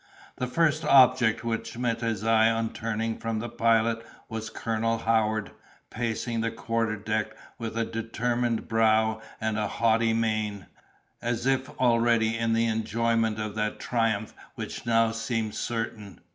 The first object which met his eye on turning from the Pilot was Colonel Howard, pacing the quarter deck with a determined brow and a haughty mien, as if already in the enjoyment of that triumph which now seemed certain.